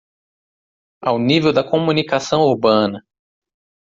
Ao nível da comunicação urbana